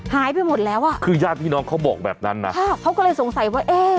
หายไปหมดแล้วอ่ะคือญาติพี่น้องเขาบอกแบบนั้นนะค่ะเขาก็เลยสงสัยว่าเอ๊ะ